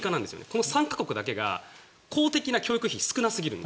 この３か国だけが公的な教育費が少なすぎる。